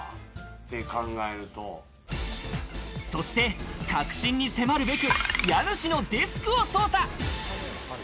そして核心に迫るべく家主のデスクを捜査。